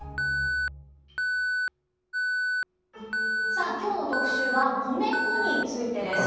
さあ、きょうの特集は米粉についてです。